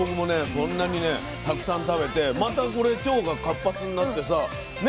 こんなにねたくさん食べてまたこれ腸が活発になってさね